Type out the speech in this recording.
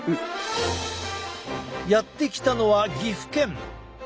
やって来たのは岐阜県。